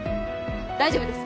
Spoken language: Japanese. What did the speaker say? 大丈夫です。